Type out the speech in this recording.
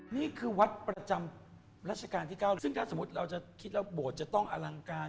นี่คือวัดประจำรัชกาลที่๙ซึ่งถ้าสมมุติเราจะคิดแล้วโบสถ์จะต้องอลังการ